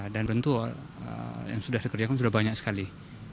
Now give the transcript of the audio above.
dan tentu yang sudah dikerjakan sudah banyak sekali